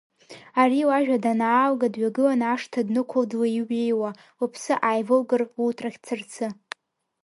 Ари лажәа данаалга, дҩагыланы ашҭа днықәылт длеиҩеиуа, лыԥсы ааивылгар луҭрахь дцарцы.